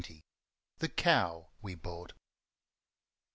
The Cow We Bought.